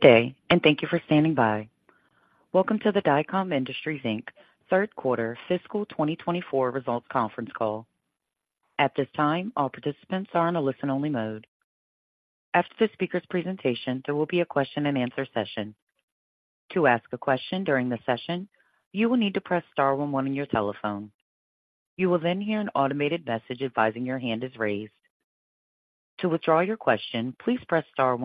Good day, and thank you for standing by. Welcome to the Dycom Industries Inc. third quarter fiscal 2024 results conference call. At this time, all participants are in a listen-only mode. After the speaker's presentation, there will be a question-and-answer session. To ask a question during the session, you will need to press star one one on your telephone. You will then hear an automated message advising your hand is raised. To withdraw your question, please press star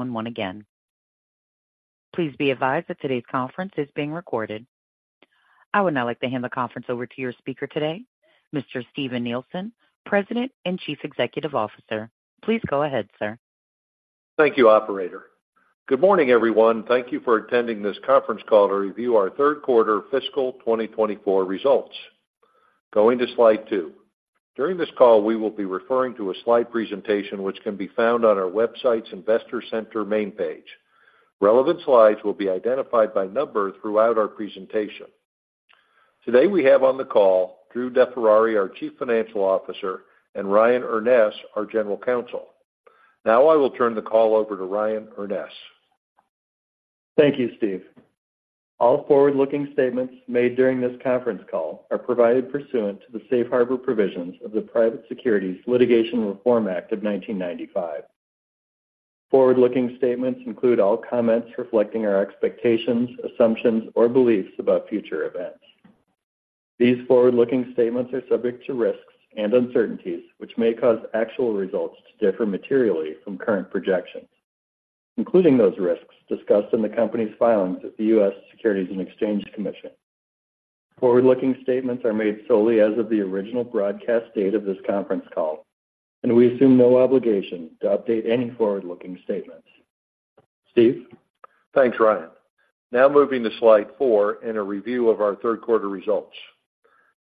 one one again. Please be advised that today's conference is being recorded. I would now like to hand the conference over to your speaker today, Mr. Steven Nielsen, President and Chief Executive Officer. Please go ahead, sir. Thank you, operator. Good morning, everyone. Thank you for attending this conference call to review our third quarter fiscal 2024 results. Going to slide two. During this call, we will be referring to a slide presentation which can be found on our website's Investor Center main page. Relevant slides will be identified by number throughout our presentation. Today, we have on the call Drew DeFerrari, our Chief Financial Officer, and Ryan Urness, our General Counsel. Now I will turn the call over to Ryan Urness. Thank you, Steve. All forward-looking statements made during this conference call are provided pursuant to the safe harbor provisions of the Private Securities Litigation Reform Act of 1995. Forward-looking statements include all comments reflecting our expectations, assumptions, or beliefs about future events. These forward-looking statements are subject to risks and uncertainties which may cause actual results to differ materially from current projections, including those risks discussed in the company's filings with the U.S. Securities and Exchange Commission. Forward-looking statements are made solely as of the original broadcast date of this conference call, and we assume no obligation to update any forward-looking statements. Steve? Thanks, Ryan. Now moving to slide four and a review of our third quarter results.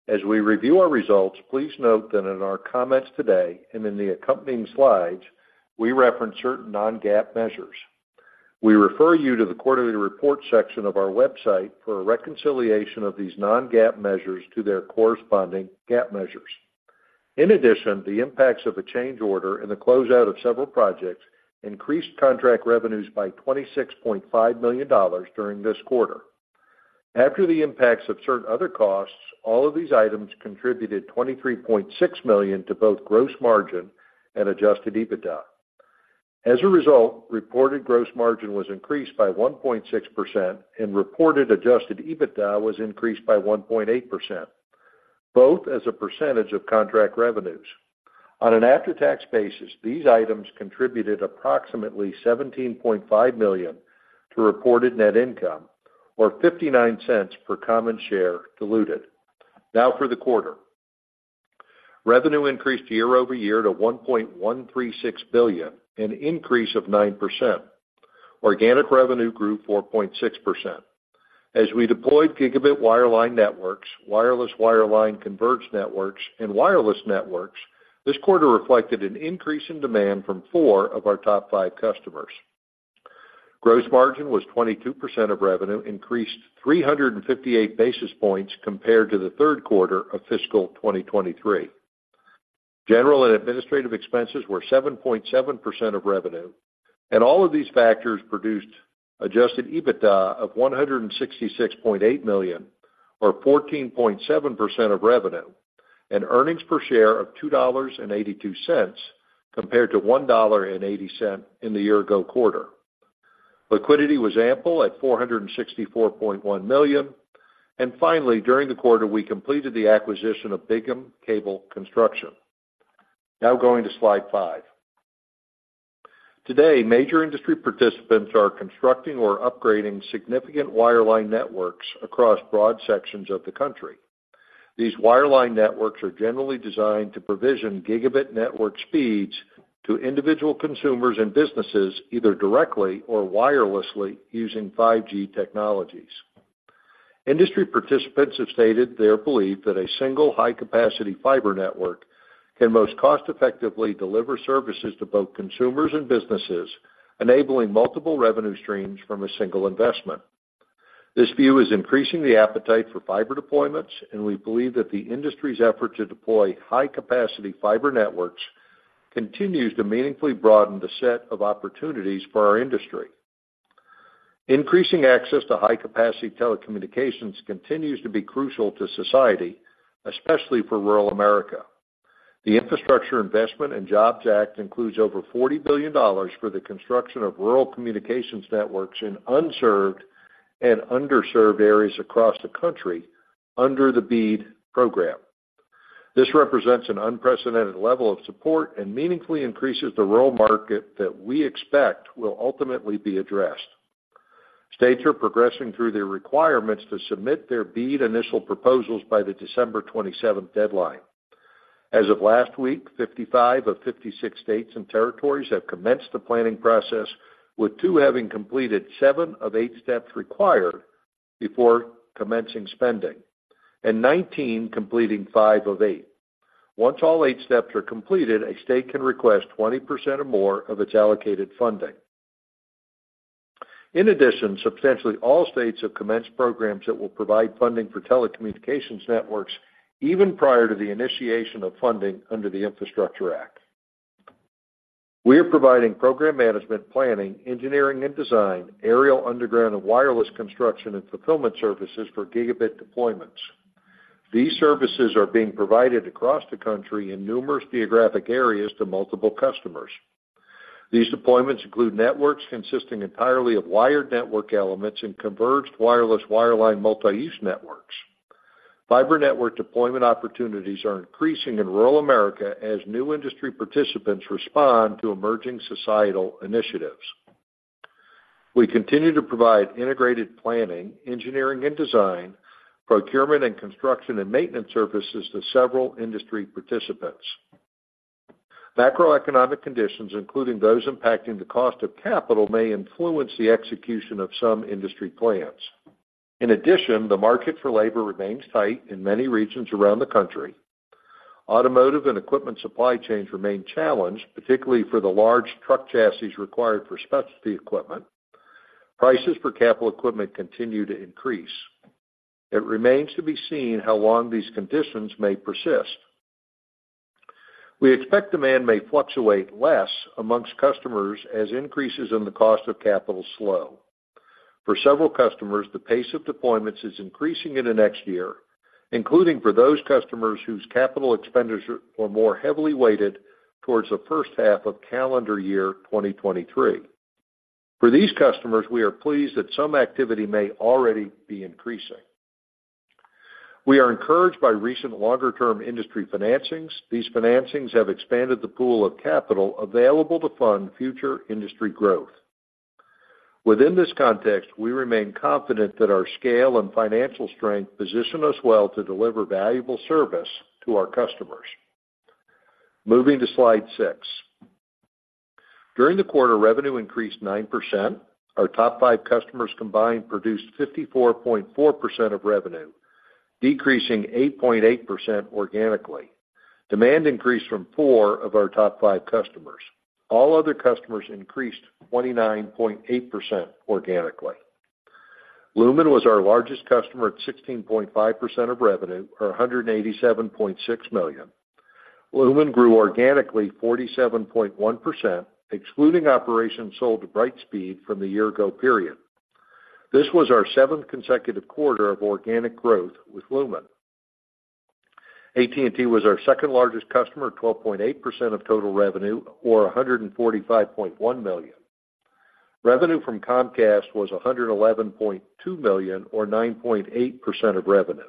As we review our results, please note that in our comments today and in the accompanying slides, we reference certain non-GAAP measures. We refer you to the quarterly report section of our website for a reconciliation of these non-GAAP measures to their corresponding GAAP measures. In addition, the impacts of a change order and the closeout of several projects increased contract revenues by $26.5 million during this quarter. After the impacts of certain other costs, all of these items contributed $23.6 million to both gross margin and Adjusted EBITDA. As a result, reported gross margin was increased by 1.6%, and reported Adjusted EBITDA was increased by 1.8%, both as a percentage of contract revenues. On an after-tax basis, these items contributed approximately $17.5 million to reported net income, or $0.59 per common share diluted. Now for the quarter. Revenue increased year-over-year to $1.136 billion, an increase of 9%. Organic revenue grew 4.6%. As we deployed gigabit wireline networks, wireless wireline converged networks, and wireless networks, this quarter reflected an increase in demand from four of our top five customers. Gross margin was 22% of revenue, increased 358 basis points compared to the third quarter of fiscal 2023. General and administrative expenses were 7.7% of revenue, and all of these factors produced Adjusted EBITDA of $166.8 million, or 14.7% of revenue, and earnings per share of $2.82, compared to $1.80 in the year-ago quarter. Liquidity was ample at $464.1 million. And finally, during the quarter, we completed the acquisition of Bigham Cable Construction. Now going to slide five. Today, major industry participants are constructing or upgrading significant wireline networks across broad sections of the country. These wireline networks are generally designed to provision gigabit network speeds to individual consumers and businesses, either directly or wirelessly, using 5G technologies. Industry participants have stated their belief that a single high-capacity fiber network can most cost-effectively deliver services to both consumers and businesses, enabling multiple revenue streams from a single investment. This view is increasing the appetite for fiber deployments, and we believe that the industry's effort to deploy high-capacity fiber networks continues to meaningfully broaden the set of opportunities for our industry. Increasing access to high-capacity telecommunications continues to be crucial to society, especially for rural America. The Infrastructure Investment and Jobs Act includes over $40 billion for the construction of rural communications networks in unserved and underserved areas across the country under the BEAD program. This represents an unprecedented level of support and meaningfully increases the rural market that we expect will ultimately be addressed. States are progressing through their requirements to submit their BEAD initial proposals by the December 27th deadline. As of last week, 55 of 56 states and territories have commenced the planning process, with two having completed seven of eight steps required before commencing spending, and 19 completing five of eight. Once all eight steps are completed, a state can request 20% or more of its allocated funding. In addition, substantially all states have commenced programs that will provide funding for telecommunications networks even prior to the initiation of funding under the Infrastructure Act. We are providing program management, planning, engineering and design, aerial, underground, and wireless construction and fulfillment services for gigabit deployments. These services are being provided across the country in numerous geographic areas to multiple customers. These deployments include networks consisting entirely of wired network elements and converged wireless wireline multi-use networks. Fiber network deployment opportunities are increasing in rural America as new industry participants respond to emerging societal initiatives. We continue to provide integrated planning, engineering and design, procurement, and construction and maintenance services to several industry participants. Macroeconomic conditions, including those impacting the cost of capital, may influence the execution of some industry plans. In addition, the market for labor remains tight in many regions around the country. Automotive and equipment supply chains remain challenged, particularly for the large truck chassis required for specialty equipment. Prices for capital equipment continue to increase. It remains to be seen how long these conditions may persist. We expect demand may fluctuate less amongst customers as increases in the cost of capital slow. For several customers, the pace of deployments is increasing in the next year, including for those customers whose capital expenditures were more heavily weighted towards the first half of calendar year 2023. For these customers, we are pleased that some activity may already be increasing. We are encouraged by recent longer-term industry financings. These financings have expanded the pool of capital available to fund future industry growth. Within this context, we remain confident that our scale and financial strength position us well to deliver valuable service to our customers. Moving to slide six. During the quarter, revenue increased 9%. Our top five customers combined produced 54.4% of revenue, decreasing 8.8% organically. Demand increased from four of our top five customers. All other customers increased 29.8% organically. Lumen was our largest customer at 16.5% of revenue, or $187.6 million. Lumen grew organically 47.1%, excluding operations sold to Brightspeed from the year ago period. This was our seventh consecutive quarter of organic growth with Lumen. AT&T was our second-largest customer, at 12.8% of total revenue, or $145.1 million. Revenue from Comcast was $111.2 million, or 9.8% of revenue.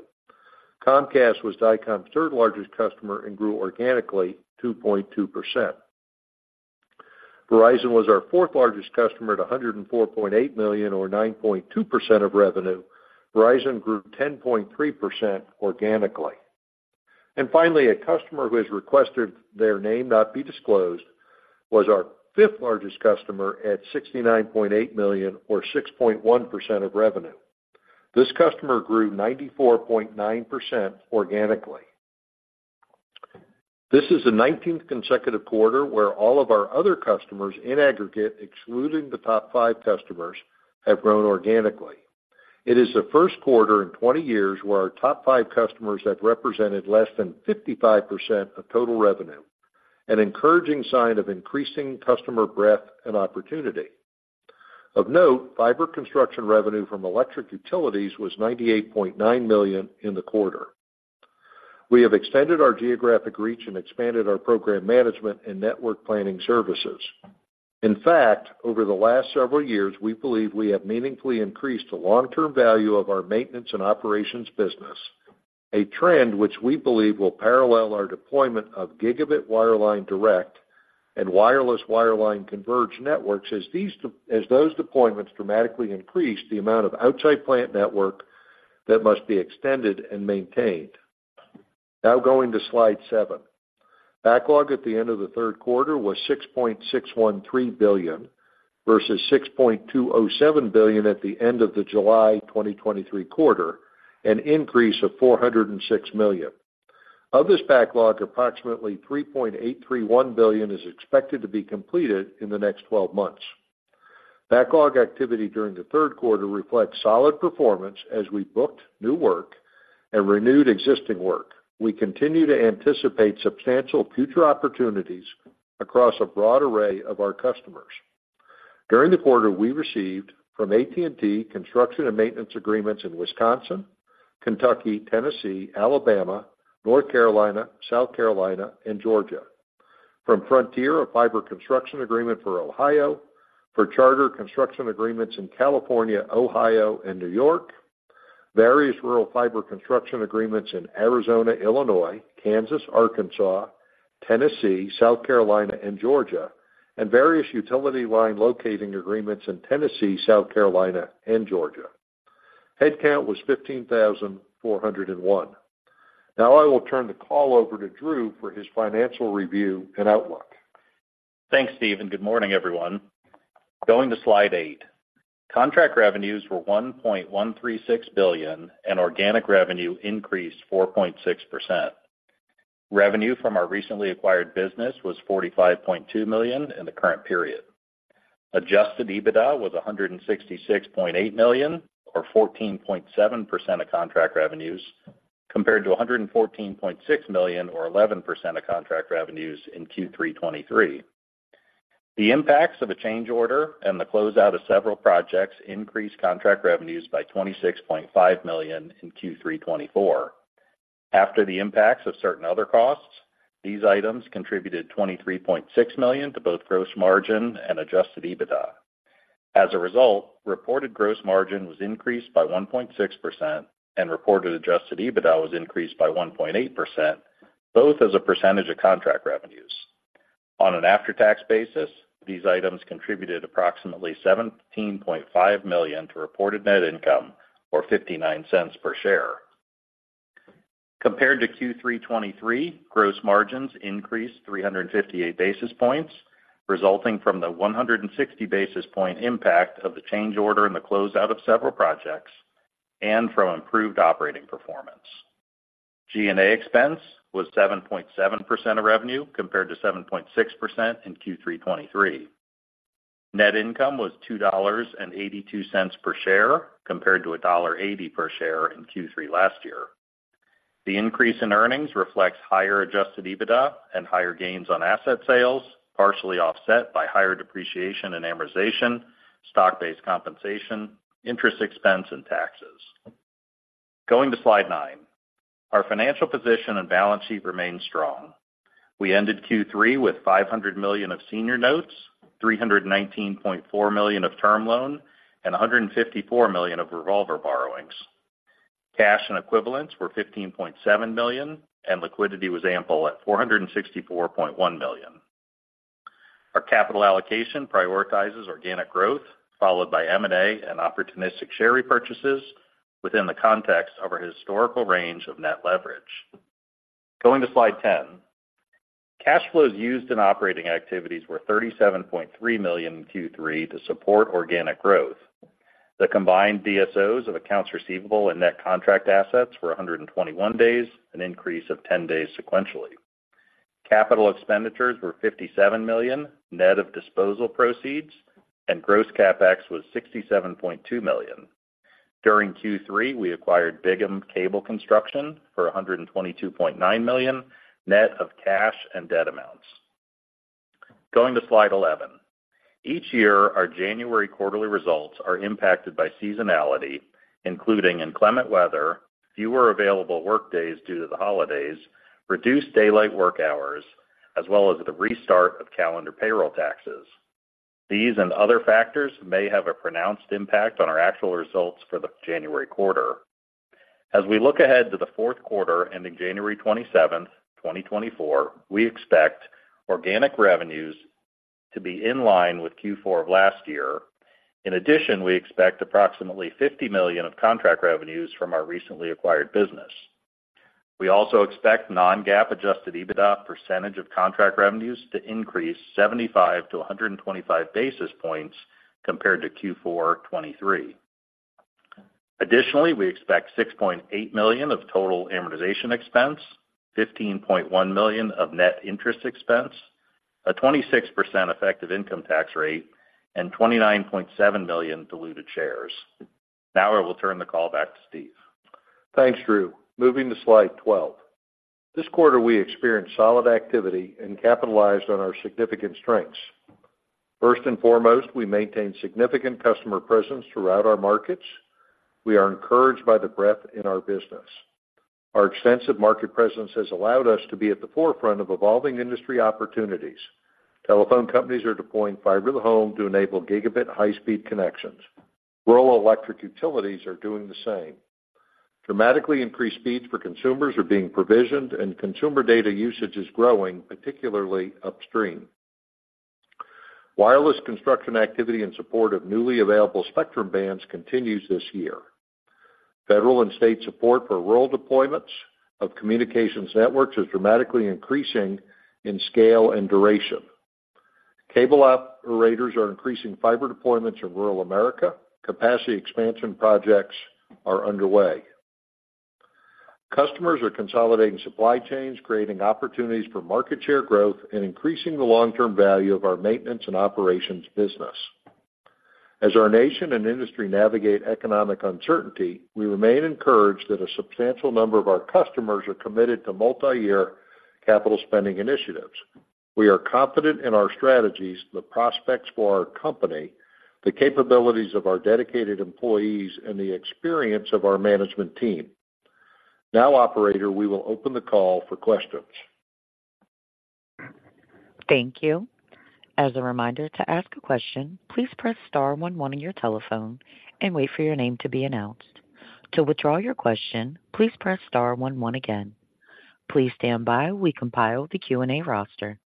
Comcast was Dycom's third-largest customer and grew organically 2.2%. Verizon was our fourth-largest customer, at $104.8 million, or 9.2% of revenue. Verizon grew 10.3% organically. And finally, a customer who has requested their name not be disclosed, was our fifth-largest customer at $69.8 million, or 6.1% of revenue. This customer grew 94.9% organically. This is the 19th consecutive quarter where all of our other customers, in aggregate, excluding the top five customers, have grown organically. It is the first quarter in 20 years where our top five customers have represented less than 55% of total revenue, an encouraging sign of increasing customer breadth and opportunity. Of note, fiber construction revenue from electric utilities was $98.9 million in the quarter. We have extended our geographic reach and expanded our program management and network planning services. In fact, over the last several years, we believe we have meaningfully increased the long-term value of our maintenance and operations business, a trend which we believe will parallel our deployment of gigabit wireline direct and wireless wireline converged networks, as those deployments dramatically increase the amount of outside plant network that must be extended and maintained. Now going to slide seven. Backlog at the end of the third quarter was $6.613 billion, versus $6.207 billion at the end of the July 2023 quarter, an increase of $406 million. Of this backlog, approximately $3.831 billion is expected to be completed in the next 12 months. Backlog activity during the third quarter reflects solid performance as we booked new work and renewed existing work. We continue to anticipate substantial future opportunities across a broad array of our customers. During the quarter, we received from AT&T construction and maintenance agreements in Wisconsin, Kentucky, Tennessee, Alabama, North Carolina, South Carolina, and Georgia. From Frontier, a fiber construction agreement for Ohio, for Charter construction agreements in California, Ohio, and New York, various rural fiber construction agreements in Arizona, Illinois, Kansas, Arkansas, Tennessee, South Carolina, and Georgia, and various utility line locating agreements in Tennessee, South Carolina, and Georgia. Headcount was 15,401. Now, I will turn the call over to Drew for his financial review and outlook. Thanks, Steve, and good morning, everyone. Going to Slide eight. Contract revenues were $1.136 billion, and organic revenue increased 4.6%. Revenue from our recently acquired business was $45.2 million in the current period. Adjusted EBITDA was $166.8 million, or 14.7% of contract revenues, compared to $114.6 million, or 11% of contract revenues in Q3 2023. The impacts of a change order and the closeout of several projects increased contract revenues by $26.5 million in Q3 2024. After the impacts of certain other costs, these items contributed $23.6 million to both gross margin and Adjusted EBITDA. As a result, reported gross margin was increased by 1.6%, and reported adjusted EBITDA was increased by 1.8%, both as a percentage of contract revenues. On an after-tax basis, these items contributed approximately $17.5 million to reported net income, or $0.59 per share. Compared to Q3 2023, gross margins increased 358 basis points, resulting from the 160 basis point impact of the change order and the closeout of several projects, and from improved operating performance. G&A expense was 7.7% of revenue, compared to 7.6% in Q3 2023. Net income was $2.82 per share, compared to $1.80 per share in Q3 last year. The increase in earnings reflects higher Adjusted EBITDA and higher gains on asset sales, partially offset by higher depreciation and amortization, stock-based compensation, interest expense, and taxes. Going to slide nine. Our financial position and balance sheet remain strong. We ended Q3 with $500 million of senior notes, $319.4 million of term loan, and $154 million of revolver borrowings. Cash and equivalents were $15.7 million, and liquidity was ample at $464.1 million. Our capital allocation prioritizes organic growth, followed by M&A and opportunistic share repurchases within the context of our historical range of net leverage. Going to slide 10. Cash flows used in operating activities were $37.3 million in Q3 to support organic growth. The combined DSOs of accounts receivable and net contract assets were 121 days, an increase of 10 days sequentially. Capital expenditures were $57 million, net of disposal proceeds, and gross CapEx was $67.2 million. During Q3, we acquired Bigham Cable Construction for $122.9 million, net of cash and debt amounts. Going to slide 11. Each year, our January quarterly results are impacted by seasonality, including inclement weather, fewer available workdays due to the holidays, reduced daylight work hours, as well as the restart of calendar payroll taxes. These and other factors may have a pronounced impact on our actual results for the January quarter. As we look ahead to the fourth quarter, ending January 27, 2024, we expect organic revenues to be in line with Q4 of last year. In addition, we expect approximately $50 million of contract revenues from our recently acquired business. We also expect non-GAAP adjusted EBITDA percentage of contract revenues to increase 75-125 basis points compared to Q4 2023. Additionally, we expect $6.8 million of total amortization expense, $15.1 million of net interest expense, a 26% effective income tax rate, and 29.7 million diluted shares. Now I will turn the call back to Steve. Thanks, Drew. Moving to slide 12. This quarter, we experienced solid activity and capitalized on our significant strengths. First and foremost, we maintained significant customer presence throughout our markets. We are encouraged by the breadth in our business. Our extensive market presence has allowed us to be at the forefront of evolving industry opportunities. Telephone companies are deploying fiber to the home to enable gigabit high-speed connections. Rural electric utilities are doing the same. Dramatically increased speeds for consumers are being provisioned, and consumer data usage is growing, particularly upstream. Wireless construction activity in support of newly available spectrum bands continues this year. Federal and state support for rural deployments of communications networks is dramatically increasing in scale and duration. Cable operators are increasing fiber deployments in rural America. Capacity expansion projects are underway. Customers are consolidating supply chains, creating opportunities for market share growth and increasing the long-term value of our maintenance and operations business. As our nation and industry navigate economic uncertainty, we remain encouraged that a substantial number of our customers are committed to multiyear capital spending initiatives. We are confident in our strategies, the prospects for our company, the capabilities of our dedicated employees, and the experience of our management team. Now, operator, we will open the call for questions. Thank you. As a reminder, to ask a question, please press star one one on your telephone and wait for your name to be announced. To withdraw your question, please press star one one again. Please stand by. We compile the Q&A roster.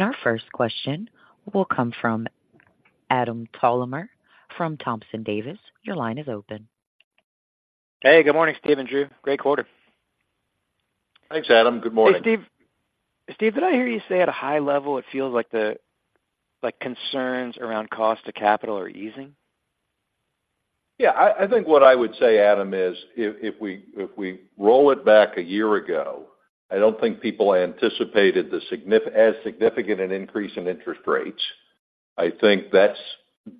Our first question will come from Adam Thalhimer from Thompson Davis. Your line is open. Hey, good morning, Steve and Drew. Great quarter. Thanks, Adam. Good morning. Hey, Steve. Steve, did I hear you say at a high level, it feels like the, like, concerns around cost of capital are easing? Yeah, I think what I would say, Adam, is if we roll it back a year ago, I don't think people anticipated as significant an increase in interest rates. I think that's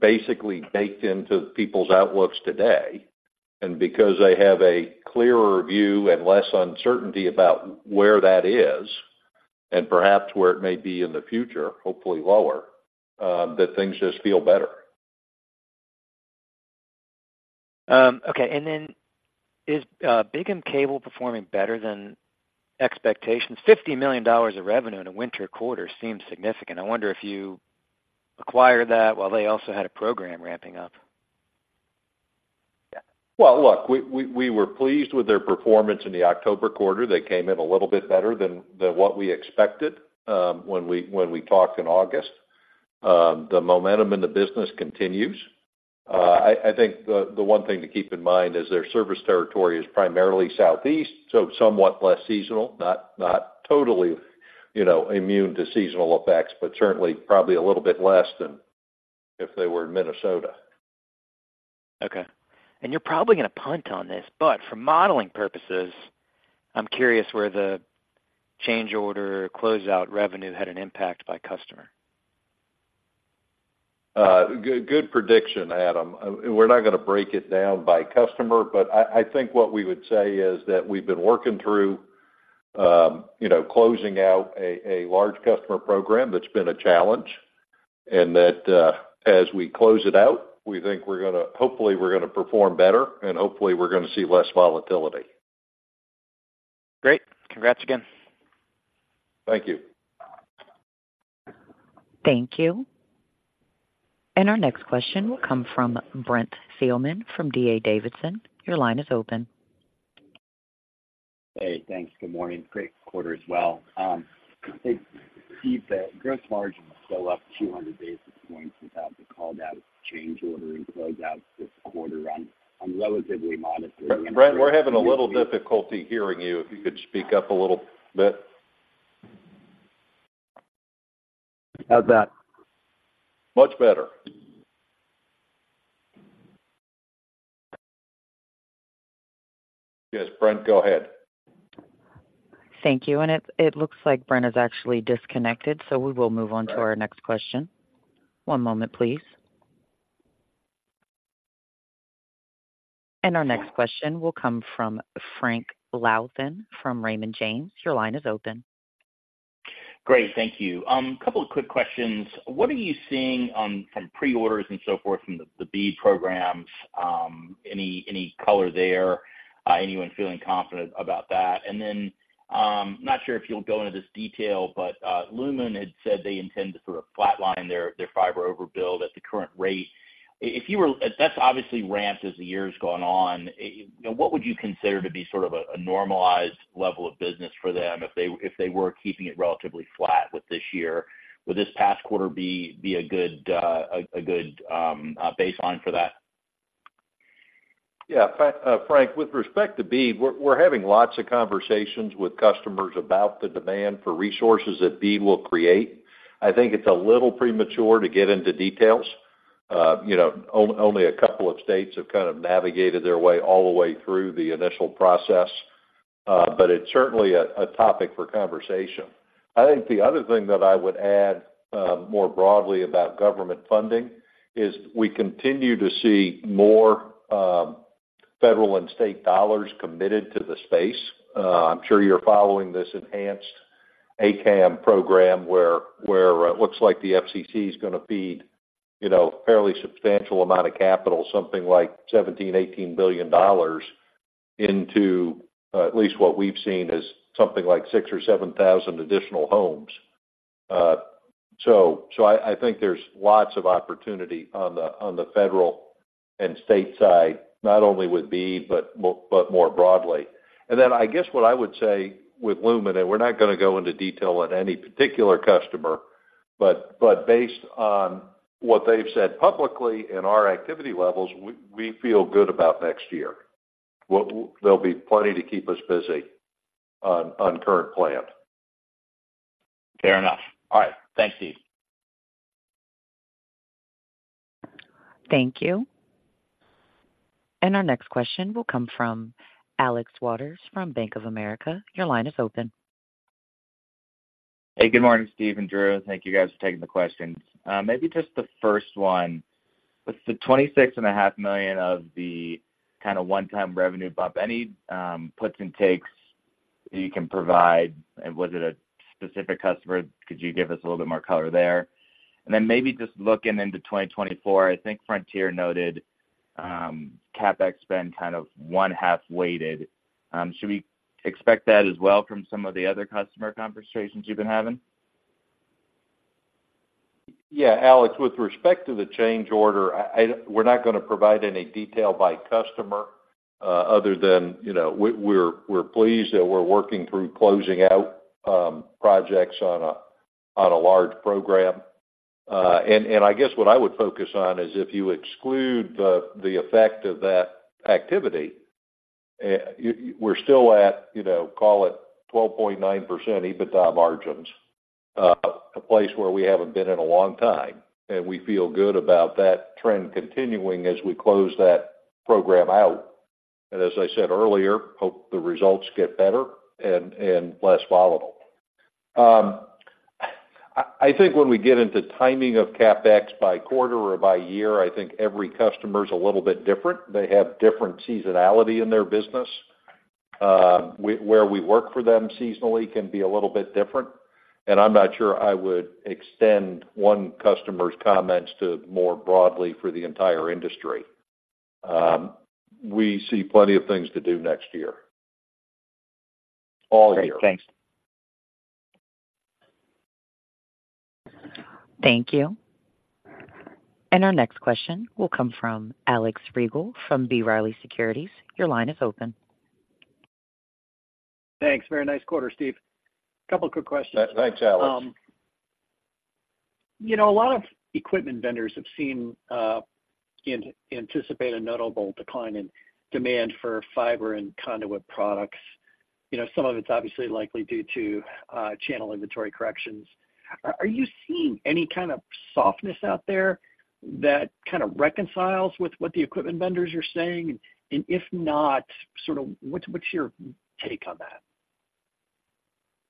basically baked into people's outlooks today, and because they have a clearer view and less uncertainty about where that is, and perhaps where it may be in the future, hopefully lower, that things just feel better. Okay. Then, is Bigham Cable performing better than expectations? $50 million of revenue in a winter quarter seems significant. I wonder if you acquired that while they also had a program ramping up. Well, look, we were pleased with their performance in the October quarter. They came in a little bit better than what we expected when we talked in August. The momentum in the business continues. I think the one thing to keep in mind is their service territory is primarily Southeast, so somewhat less seasonal, not totally, you know, immune to seasonal effects, but certainly probably a little bit less than if they were in Minnesota. Okay. You're probably going to punt on this, but for modeling purposes, I'm curious where the change order, closeout revenue had an impact by customer? Good prediction, Adam. We're not going to break it down by customer, but I think what we would say is that we've been working through, you know, closing out a large customer program that's been a challenge, and that, as we close it out, we think we're gonna hopefully perform better, and hopefully, we're gonna see less volatility. Great. Congrats again. Thank you. Thank you. Our next question will come from Brent Thielman from D.A. Davidson. Your line is open. Hey, thanks. Good morning. Great quarter as well. I think, Steve, the gross margin is still up 200 basis points without the called out change order and close out this quarter. I'm relatively modest- Brent, we're having a little difficulty hearing you. If you could speak up a little bit. How's that? Much better. Yes, Brent, go ahead. Thank you. It looks like Brent is actually disconnected, so we will move on to our next question. One moment, please. Our next question will come from Frank Louthan from Raymond James. Your line is open. Great. Thank you. Couple of quick questions. What are you seeing on, from pre-orders and so forth from the BEAD programs? Any color there? Anyone feeling confident about that? And then, not sure if you'll go into this detail, but, Lumen had said they intend to sort of flatline their fiber overbuild at the current rate. That's obviously ramped as the year's gone on. You know, what would you consider to be sort of a normalized level of business for them if they were keeping it relatively flat with this year? Would this past quarter be a good baseline for that? Yeah, Frank, with respect to BEAD, we're having lots of conversations with customers about the demand for resources that BEAD will create. I think it's a little premature to get into details. You know, only a couple of states have kind of navigated their way all the way through the initial process, but it's certainly a topic for conversation. I think the other thing that I would add, more broadly about government funding, is we continue to see more federal and state dollars committed to the space. I'm sure you're following this enhanced ACAM program, where it looks like the FCC is going to feed, you know, a fairly substantial amount of capital, something like $17 billion-$18 billion, into at least what we've seen, is something like six or 7,000 additional homes. So I think there's lots of opportunity on the federal and state side, not only with BEAD, but more broadly. And then, I guess what I would say with Lumen, and we're not going to go into detail on any particular customer, but based on what they've said publicly and our activity levels, we feel good about next year. There'll be plenty to keep us busy on current plan. Fair enough. All right. Thank you. Thank you. And our next question will come from Alex Waters from Bank of America. Your line is open. Hey, good morning, Steve and Drew. Thank you guys for taking the questions. Maybe just the first one: With the $26.5 million of the kind of one-time revenue bump, any puts and takes you can provide? And was it a specific customer? Could you give us a little bit more color there? And then maybe just looking into 2024, I think Frontier noted, CapEx spend kind of one-half weighted. Should we expect that as well from some of the other customer conversations you've been having? Yeah, Alex, with respect to the change order, We're not going to provide any detail by customer, other than, you know, we're pleased that we're working through closing out projects on a large program. And I guess what I would focus on is if you exclude the effect of that activity. And we're still at, you know, call it 12.9% EBITDA margins, a place where we haven't been in a long time, and we feel good about that trend continuing as we close that program out. And as I said earlier, hope the results get better and less volatile. I think when we get into timing of CapEx by quarter or by year, I think every customer is a little bit different. They have different seasonality in their business. where we work for them seasonally can be a little bit different, and I'm not sure I would extend one customer's comments to more broadly for the entire industry. We see plenty of things to do next year. All year. Great. Thanks. Thank you. And our next question will come from Alex Rygiel from B. Riley Securities. Your line is open. Thanks. Very nice quarter, Steve. Couple quick questions. Thanks, Alex. You know, a lot of equipment vendors have seen, anticipate a notable decline in demand for fiber and conduit products. You know, some of it's obviously likely due to channel inventory corrections. Are you seeing any kind of softness out there that kind of reconciles with what the equipment vendors are saying? And if not, sort of, what's your take on that?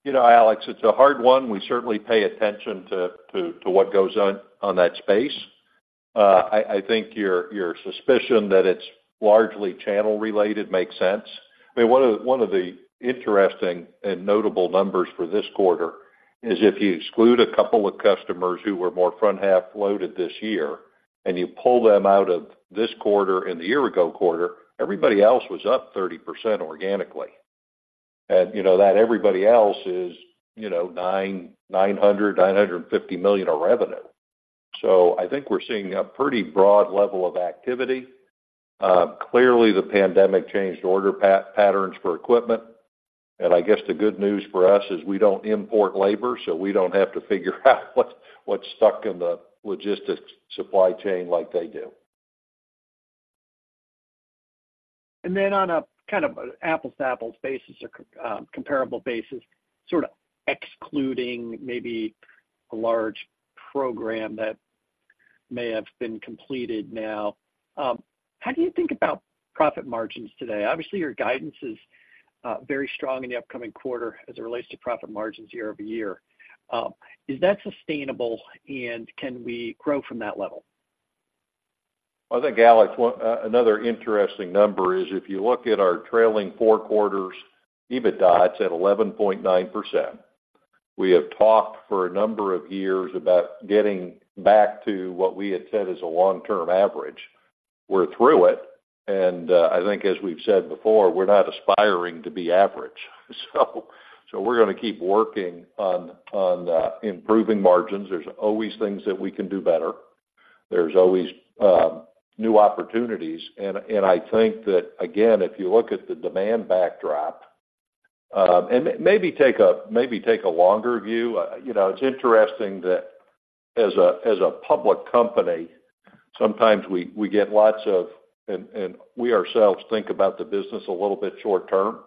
You know, Alex, it's a hard one. We certainly pay attention to what goes on in that space. I think your suspicion that it's largely channel-related makes sense. I mean, one of the interesting and notable numbers for this quarter is if you exclude a couple of customers who were more front half loaded this year, and you pull them out of this quarter and the year-ago quarter, everybody else was up 30% organically. And, you know, that everybody else is, you know, $950 million of revenue. So I think we're seeing a pretty broad level of activity. Clearly, the pandemic changed order patterns for equipment, and I guess the good news for us is we don't import labor, so we don't have to figure out what's stuck in the logistics supply chain like they do. And then on a kind of apples-to-apples basis or comparable basis, sort of excluding maybe a large program that may have been completed now, how do you think about profit margins today? Obviously, your guidance is very strong in the upcoming quarter as it relates to profit margins year-over-year. Is that sustainable, and can we grow from that level? I think, Alex, another interesting number is if you look at our trailing four quarters EBITDA, it's at 11.9%. We have talked for a number of years about getting back to what we had said is a long-term average. We're through it, and I think as we've said before, we're not aspiring to be average. So we're going to keep working on improving margins. There's always things that we can do better. There's always new opportunities. And I think that, again, if you look at the demand backdrop, and maybe take a longer view. You know, it's interesting that as a public company, sometimes we get lots of... and we ourselves think about the business a little bit short term.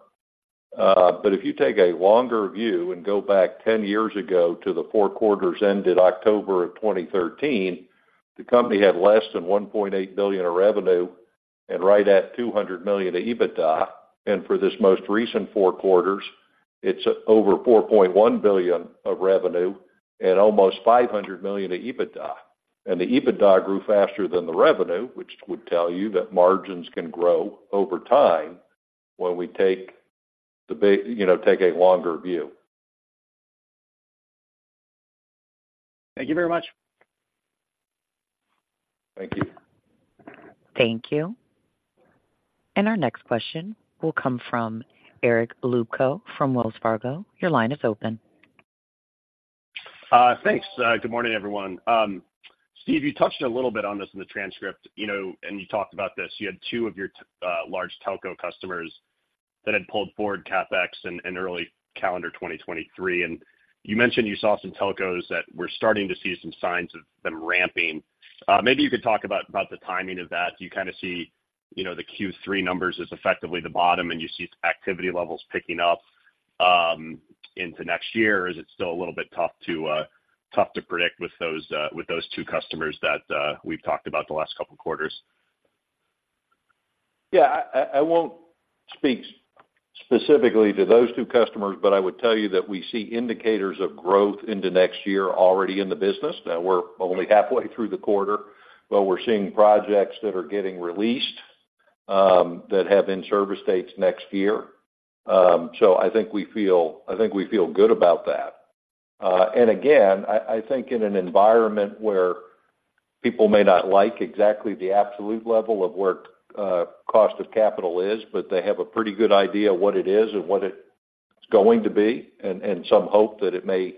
But if you take a longer view and go back 10 years ago to the four quarters ended October of 2013, the company had less than $1.8 billion of revenue and right at $200 million of EBITDA. And for this most recent four quarters, it's over $4.1 billion of revenue and almost $500 million of EBITDA. And the EBITDA grew faster than the revenue, which would tell you that margins can grow over time when we take you know, take a longer view. Thank you very much. Thank you. Thank you. Our next question will come from Eric Luebchow from Wells Fargo. Your line is open. Thanks. Good morning, everyone. Steve, you touched a little bit on this in the transcript, you know, and you talked about this. You had two of your large telco customers that had pulled forward CapEx in early calendar 2023, and you mentioned you saw some telcos that were starting to see some signs of them ramping. Maybe you could talk about the timing of that. Do you kind of see, you know, the Q3 numbers as effectively the bottom, and you see activity levels picking up into next year? Is it still a little bit tough to predict with those two customers that we've talked about the last couple of quarters? Yeah, I won't speak specifically to those two customers, but I would tell you that we see indicators of growth into next year already in the business. Now, we're only halfway through the quarter, but we're seeing projects that are getting released that have in-service dates next year. So I think we feel, I think we feel good about that. And again, I think in an environment where people may not like exactly the absolute level of where cost of capital is, but they have a pretty good idea of what it is and what it's going to be, and some hope that it may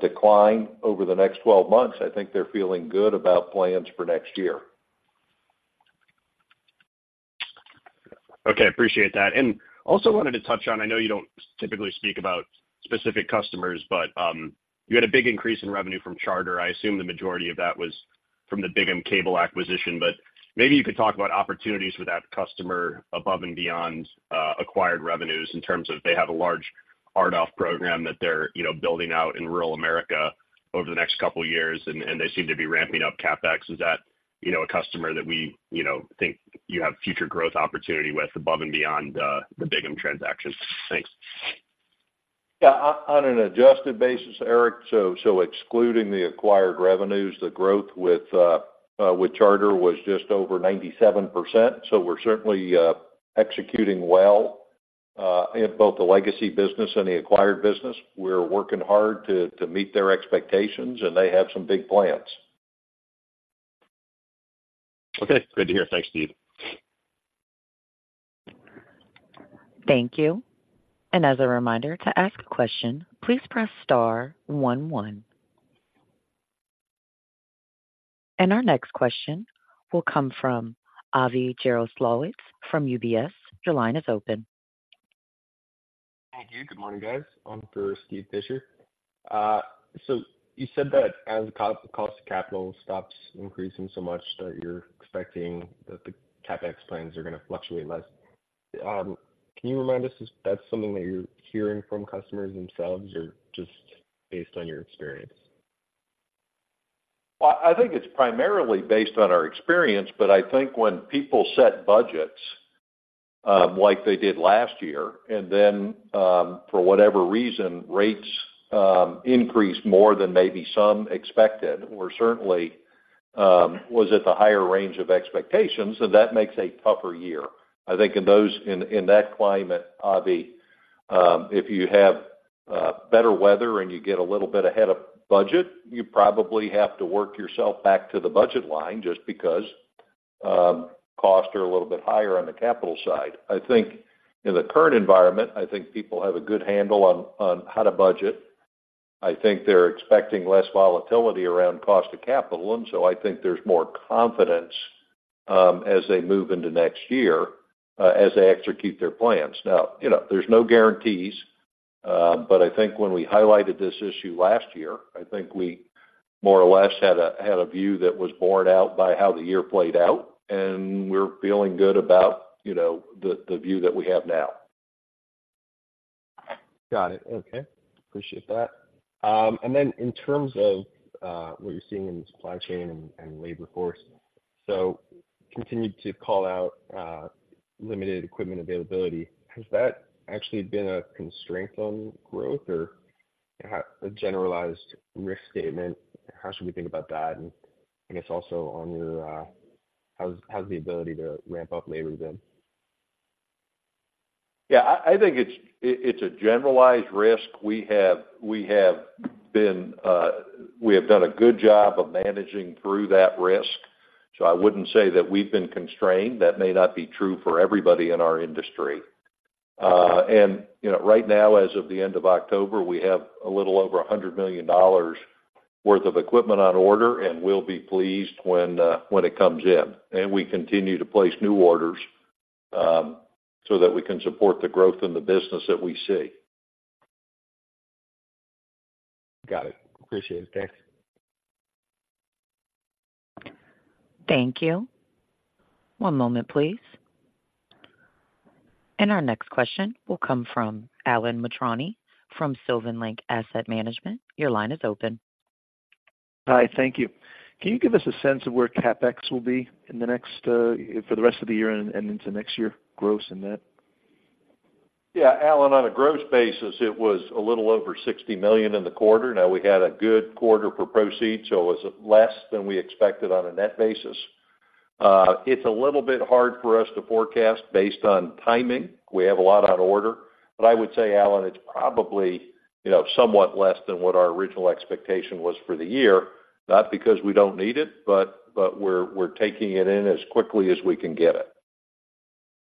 decline over the next 12 months, I think they're feeling good about plans for next year. Okay, appreciate that. And also wanted to touch on, I know you don't typically speak about specific customers, but you had a big increase in revenue from Charter. I assume the majority of that was from the Bigham Cable acquisition, but maybe you could talk about opportunities for that customer above and beyond acquired revenues in terms of they have a large RDOF program that they're, you know, building out in rural America over the next couple of years, and they seem to be ramping up CapEx. Is that, you know, a customer that we, you know, think you have future growth opportunity with above and beyond the Bigham transaction? Thanks. Yeah, on an adjusted basis, Eric, so excluding the acquired revenues, the growth with Charter was just over 97%. So we're certainly executing well in both the legacy business and the acquired business. We're working hard to meet their expectations, and they have some big plans. Okay, good to hear. Thanks, Steve. Thank you. And as a reminder, to ask a question, please press star one one. And our next question will come from Avi Jaroslawicz from UBS. Your line is open. Thank you. Good morning, guys. One for Steve Fisher. So you said that as the cost, cost of capital stops increasing so much, that you're expecting that the CapEx plans are going to fluctuate less. Can you remind us if that's something that you're hearing from customers themselves or just based on your experience? Well, I think it's primarily based on our experience, but I think when people set budgets, like they did last year, and then, for whatever reason, rates increased more than maybe some expected, or certainly was at the higher range of expectations, so that makes a tougher year. I think in that climate, Avi, if you have better weather and you get a little bit ahead of budget, you probably have to work yourself back to the budget line just because costs are a little bit higher on the capital side. I think in the current environment, I think people have a good handle on how to budget. I think they're expecting less volatility around cost of capital, and so I think there's more confidence as they move into next year as they execute their plans. Now, you know, there's no guarantees, but I think when we highlighted this issue last year, I think we more or less had a, had a view that was borne out by how the year played out, and we're feeling good about, you know, the, the view that we have now. Got it. Okay. Appreciate that. And then in terms of what you're seeing in the supply chain and labor force, so continued to call out limited equipment availability. Has that actually been a constraint on growth or a generalized risk statement? How should we think about that? And I guess also on your how's the ability to ramp up labor been? Yeah, I think it's a generalized risk. We have been doing a good job of managing through that risk, so I wouldn't say that we've been constrained. That may not be true for everybody in our industry. You know, right now, as of the end of October, we have a little over $100 million worth of equipment on order, and we'll be pleased when it comes in. We continue to place new orders so that we can support the growth in the business that we see. Got it. Appreciate it. Thanks. Thank you. One moment, please. Our next question will come from Alan Mitrani from Sylvan Lake Asset Management. Your line is open. Hi, thank you. Can you give us a sense of where CapEx will be in the next, for the rest of the year and, and into next year, gross and net? Yeah, Alan, on a gross basis, it was a little over $60 million in the quarter. Now, we had a good quarter for proceeds, so it was less than we expected on a net basis. It's a little bit hard for us to forecast based on timing. We have a lot on order, but I would say, Alan, it's probably, you know, somewhat less than what our original expectation was for the year, not because we don't need it, but, but we're, we're taking it in as quickly as we can get it.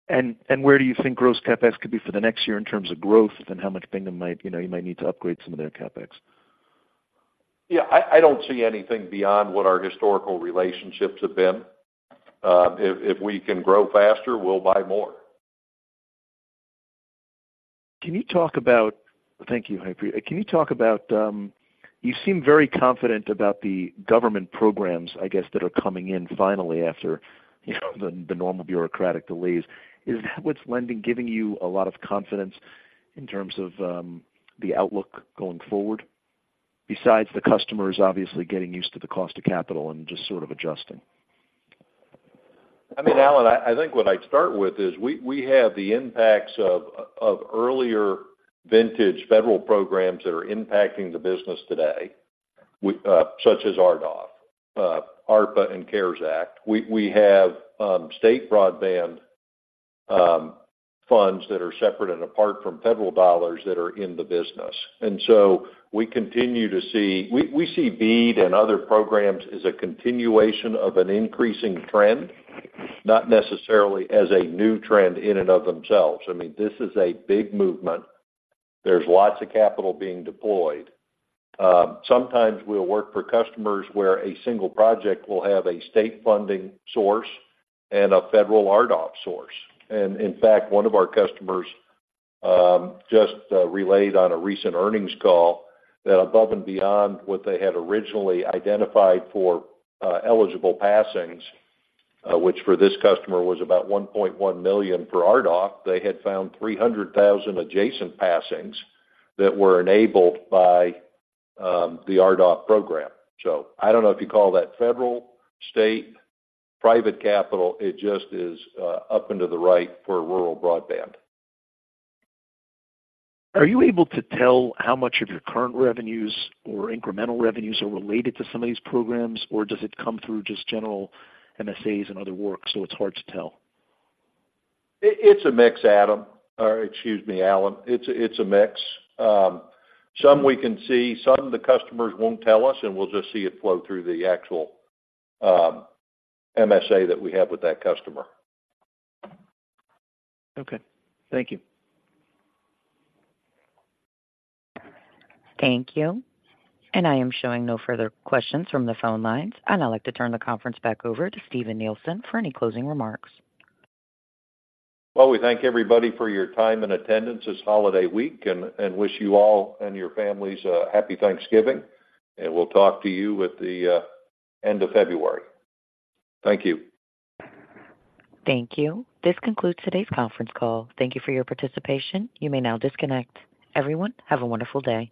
Where do you think gross CapEx could be for the next year in terms of growth and how much Bigham might, you know, you might need to upgrade some of their CapEx? Yeah, I don't see anything beyond what our historical relationships have been. If we can grow faster, we'll buy more. Thank you. Can you talk about, you seem very confident about the government programs, I guess, that are coming in finally after, you know, the normal bureaucratic delays. Is that what's lending, giving you a lot of confidence in terms of, the outlook going forward? Besides, the customer is obviously getting used to the cost of capital and just sort of adjusting. I mean, Alan, I think what I'd start with is we have the impacts of earlier vintage federal programs that are impacting the business today, such as RDOF, ARPA and CARES Act. We have state broadband funds that are separate and apart from federal dollars that are in the business. And so we continue to see, we see BEAD and other programs as a continuation of an increasing trend, not necessarily as a new trend in and of themselves. I mean, this is a big movement. There's lots of capital being deployed. Sometimes we'll work for customers where a single project will have a state funding source and a federal RDOF source. In fact, one of our customers just relayed on a recent earnings call that above and beyond what they had originally identified for eligible passings, which for this customer was about 1.1 million for RDOF, they had found 300,000 adjacent passings that were enabled by the RDOF program. So I don't know if you call that federal, state, private capital, it just is up into the right for rural broadband. Are you able to tell how much of your current revenues or incremental revenues are related to some of these programs, or does it come through just general MSAs and other work, so it's hard to tell? It's a mix, Adam, or excuse me, Alan. It's a mix. Some we can see, some the customers won't tell us, and we'll just see it flow through the actual MSA that we have with that customer. Okay. Thank you. Thank you. I am showing no further questions from the phone lines, and I'd like to turn the conference back over to Steven Nielsen for any closing remarks. Well, we thank everybody for your time and attendance this holiday week and wish you all and your families a happy Thanksgiving, and we'll talk to you at the end of February. Thank you. Thank you. This concludes today's conference call. Thank you for your participation. You may now disconnect. Everyone, have a wonderful day.